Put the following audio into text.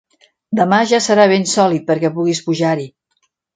Demà ja serà ben sòlid perquè puguis pujar-hi.